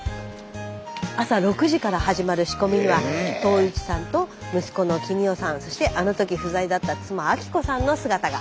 朝６時から始まる仕込みには東一さんと息子の公雄さんそしてあの時不在だった妻昭子さんの姿が。